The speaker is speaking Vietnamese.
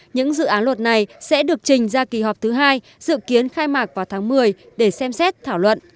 những dự án luật này sẽ được trình ra kỳ họp thứ hai dự kiến khai mạc vào tháng một mươi để xem xét thảo luận